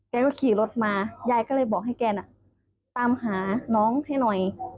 รถขี่รถมายายก็เลยบอกให้แกน่ะตามหาน้องให้หน่อย